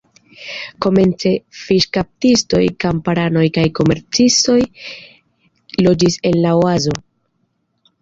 Komence fiŝkaptistoj, kamparanoj kaj komercistoj loĝis en la oazo.